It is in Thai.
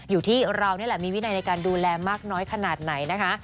อยู่ที่เรานี่แหละมีวินัยในการดูแลมากน้อยขนาดไหนนะคะ